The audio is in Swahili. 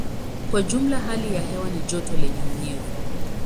Kwa jumla hali ya hewa ni joto lenye unyevu.